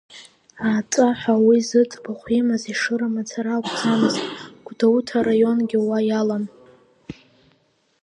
Ааҵәа ҳәа уи зыӡбахә имаз Ешыра мацара акәӡамызт, Гәдоуҭа араионгьы уа иалан.